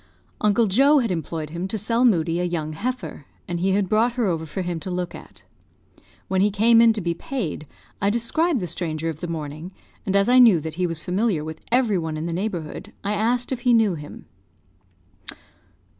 Uncle Joe had employed him to sell Moodie a young heifer, and he had brought her over for him to look at. When he came in to be paid, I described the stranger of the morning; and as I knew that he was familiar with every one in the neighbourhood, I asked if he knew him.